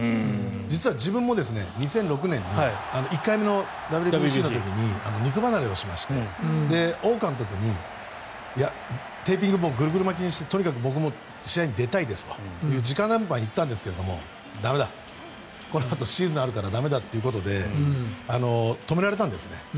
実は自分も２００６年に１回目のＷＢＣの時に肉離れをしまして王監督にテーピングぐるぐる巻きにしてとにかく僕も試合に出たいですという直談判に行ったんですけどこのあとシーズンがあるから駄目だということで止められたんですね。